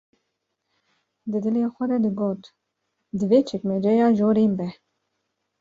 ‘’Di dilê xwe de digot: Divê çekmeceya jorîn be.